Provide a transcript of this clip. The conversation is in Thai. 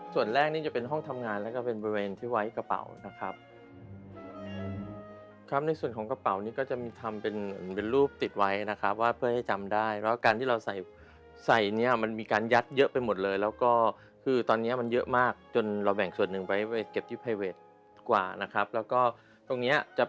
ส่วนแรกนี่จะเป็นห้องทำงานแล้วก็เป็นบริเวณที่ไว้กระเป๋านะครับครับในส่วนของกระเป๋านี้ก็จะมีทำเป็นเป็นรูปติดไว้นะครับว่าเพื่อให้จำได้ว่าการที่เราใส่ใส่เนี่ยมันมีการยัดเยอะไปหมดเลยแล้วก็คือตอนนี้มันเยอะมากจนเราแบ่งส่วนหนึ่งไว้ไปเก็บที่ไพเวทกว่านะครับแล้วก็ตรงเนี้ยจะ